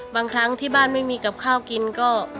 บางครั้งที่บ้านไม่มีกับข้าวกินก็